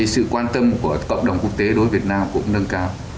sự quan tâm của cộng đồng quốc tế đối với việt nam cũng nâng cao